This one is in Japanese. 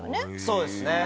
そうですね。